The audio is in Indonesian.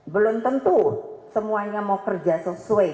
belum tentu semuanya mau kerja sesuai